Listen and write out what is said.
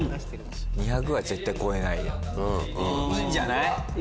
２００絶対超えないいいんじゃない？